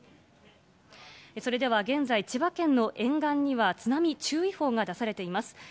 それでは現在、千葉県の沿岸には津波注意報が出されています。